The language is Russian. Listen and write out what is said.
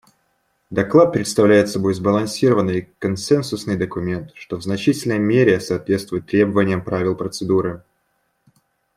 Доклад представляет собой сбалансированный консенсусный документ, что в значительной мере соответствует требованиям правил процедуры.